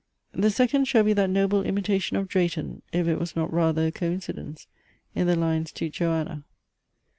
The second shall be that noble imitation of Drayton (if it was not rather a coincidence) in the lines TO JOANNA.